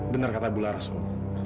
benar kata bularas om